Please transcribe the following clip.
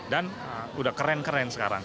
dan sudah keren keren sekarang